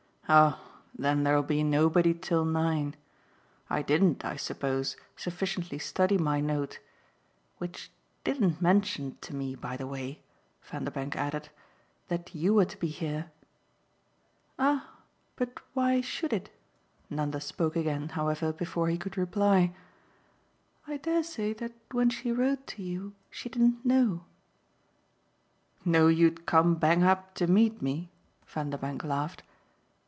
"Oh then there'll be nobody till nine. I didn't, I suppose, sufficiently study my note; which didn't mention to me, by the way," Vanderbank added, "that you were to be here." "Ah but why SHOULD it?" Nanda spoke again, however, before he could reply. "I dare say that when she wrote to you she didn't know." "Know you'd come bang up to meet me?" Vanderbank laughed.